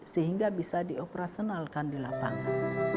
sehingga bisa di operasenalkan di lapangan